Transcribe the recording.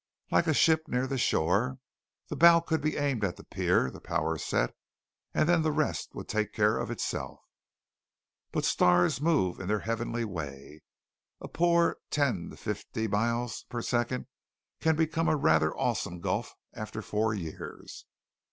Like a ship near the shore, the bow could be aimed at the pier, the power set, and then the rest would take care of itself. But stars move in their heavenly way. A poor ten to fifty miles per second can become a rather awesome gulf after four years.